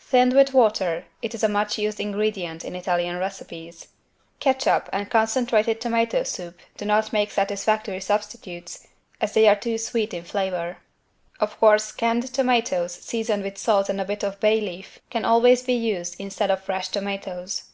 Thinned with water, it is a much used ingredient in Italian recipes. Catsup and concentrated tomato soup do not make satisfactory substitutes as they are too sweet in flavor. Of course canned tomatoes seasoned with salt and a bit of bay leaf, can always be used instead of fresh tomatoes.